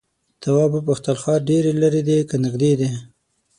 تواب وپوښتل ښار ډېر ليرې دی که نږدې دی؟